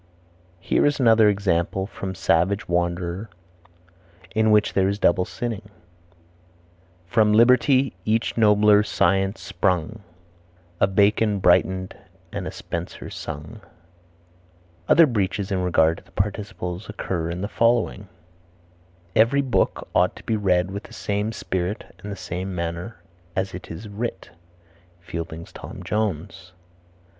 Here is another example from Savage's Wanderer in which there is double sinning: "From liberty each nobler science sprung, A Bacon brighten'd and a Spenser sung." Other breaches in regard to the participles occur in the following: "Every book ought to be read with the same spirit and in the same manner as it is writ" Fielding's Tom Jones.